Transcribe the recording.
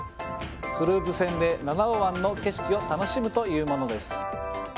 クルーズ船で七尾湾の景色を楽しむというものです。